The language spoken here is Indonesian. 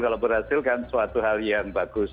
kalau berhasil kan suatu hal yang bagus